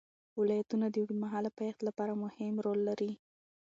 ولایتونه د اوږدمهاله پایښت لپاره مهم رول لري.